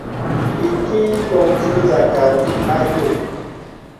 Ìki yə î bɔ̀ŋ nzâ sàkryāy ayò.